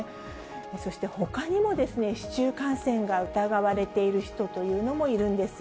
そして、ほかにも市中感染が疑われている人というのもいるんです。